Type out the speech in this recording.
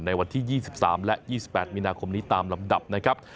ในวันที่๒๓และ๒๘มีนาคมนี้ตามลำดับนะครับ